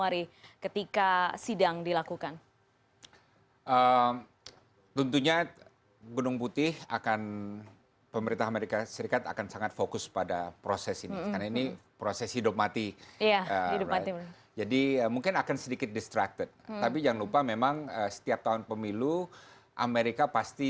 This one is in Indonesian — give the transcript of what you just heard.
rubesnya ditarik pulang jadi wakil menteri